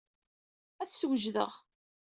Ad t-swejdeɣ.